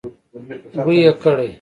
بوی يې کړی.